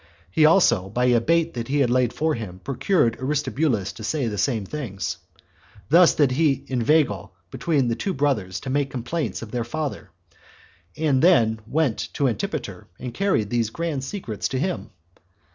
He also, by a bait that he laid for him, procured Aristobulus to say the same things. Thus did he inveigle both the brothers to make complaints of their father, and then went to Antipater, and carried these grand secrets to him.